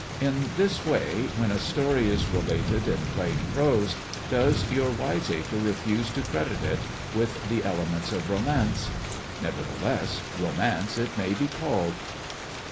In this way, when a story is related in plain prose, does your wiseacre refuse to credit it with the elements of romance. Nevertheless, romance it may be called.